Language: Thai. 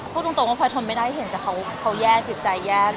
พูดตรงว่าพลอยทนไม่ได้เห็นแต่เขาแย่จิตใจแย่